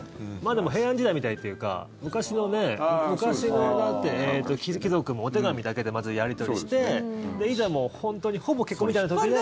でも平安時代みたいというか昔の貴族もお手紙だけでまず、やり取りしていざ本当にほぼ結婚みたいな時に。